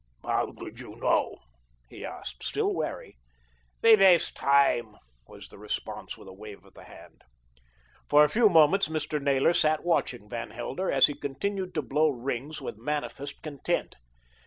"How did you know?" he asked, still wary. "We waste time," was the response with a wave of the hand. For a few moments Mr. Naylor sat watching Van Helder as he continued to blow rings with manifest content.